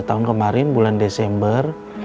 tahun kemarin bulan desember